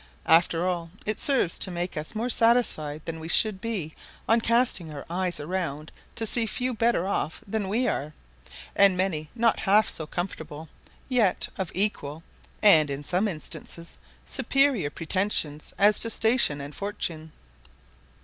After all, it serves to make us more satisfied than we should be on casting our eyes around to see few better off than we are, and many not half so comfortable, yet of equal, and, in some instances, superior pretensions as to station and fortune.